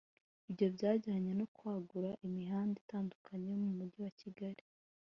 Ibyo byajyanye no kwagura imihanda itandukanye yo mu Mujyi wa Kigali